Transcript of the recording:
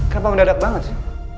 kenapa mudah banget sih